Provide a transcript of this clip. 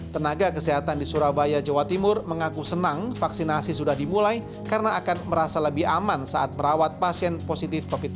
tenaga kesehatan di surabaya jawa timur mengaku senang vaksinasi sudah dimulai karena akan merasa lebih aman saat merawat pasien positif covid sembilan belas